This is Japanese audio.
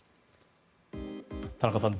田中さん